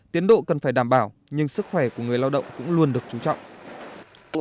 tiến độ cần phải đảm bảo nhưng sức khỏe của người lao động cũng luôn được chú trọng